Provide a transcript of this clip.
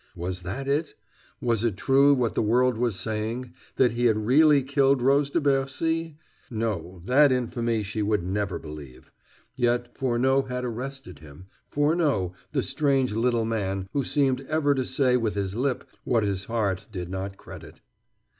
Was that it? Was it true what the world was saying that he had really killed Rose de Bercy? No, that infamy she would never believe. Yet Furneaux had arrested him Furneaux, the strange little man who seemed ever to say with his lip what his heart did not credit.